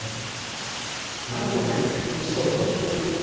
鍋の縁に沿わせるように。